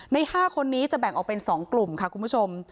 ใน๕คนนี้จะแบ่งออกเป็น๒กลุ่มค่ะคุณผู้ชม